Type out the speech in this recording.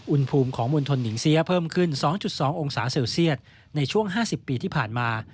อุณหภูมิของมณฑลหญิงเสียเพิ่มขึ้น๒๒องศาเซลเซียตในช่วง๕๐ปีที่ผ่านมา